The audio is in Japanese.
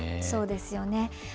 そうですよね。